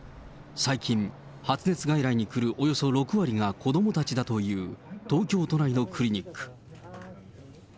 最近、発熱外来に来るおよそ６割が子どもたちだという、東京都内のクリニック。